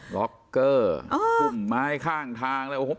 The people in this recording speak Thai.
ล็อกเกอร์ทุบไม้ข้างทางเลยเป็นใส้หมด